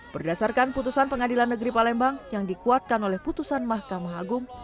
berdasarkan putusan pengadilan negeri palembang yang dikuatkan oleh putusan mahkamah agung